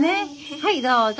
はいどうぞ。